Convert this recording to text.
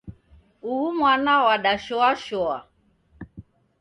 Uhu mwana wadashoashoa